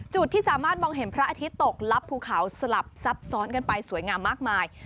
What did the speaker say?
ที่สามารถมองเห็นพระอาทิตย์ตกลับภูเขาสลับซับซ้อนกันไปสวยงามมากมาย